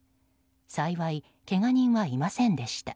幸い、けが人はいませんでした。